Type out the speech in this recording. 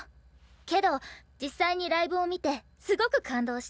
けど実際にライブを見てすごく感動した。